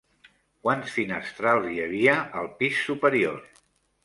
Quants finestrals hi havia al pis superior?